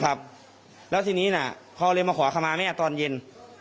ครับแล้วทีนี้น่ะเขาเลยมาขอขมาแม่ตอนเย็น